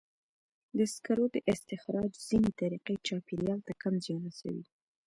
د سکرو د استخراج ځینې طریقې چاپېریال ته کم زیان رسوي.